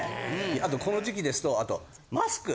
この時期ですとあとマスク。